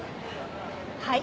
はい。